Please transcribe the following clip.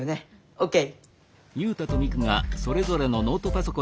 ＯＫ。